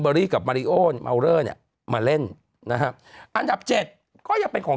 คุณกับมาริโอนเนี้ยมาเล่นนะฮะอันดับเจ็ดก็ยังเป็นของ